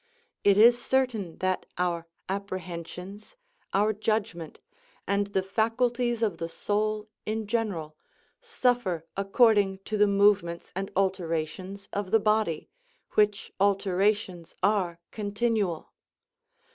It is certain that our apprehensions, our judgment, and the faculties of the soul in general, suffer according to the movements and alterations of the body, which alterations are continual.